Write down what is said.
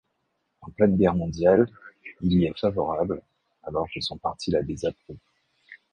En pleine guerre mondiale, il y est favorable alors que son parti la désapprouve.